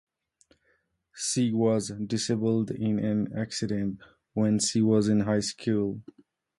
She was disabled in an accident when she was in high school.